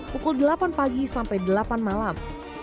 pukul delapan pagi sampai delapan malam